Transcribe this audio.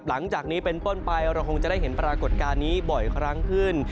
หลังจากนี้เป็นต้นไปเราคงจะได้เห็นปรากฏการณ์นี้บ่อยครั้งขึ้น